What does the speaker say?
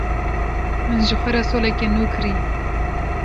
Min ji xwe re soleke nû kirî.